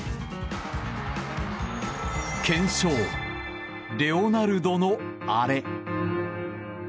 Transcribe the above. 検証、レオナルドのあれ。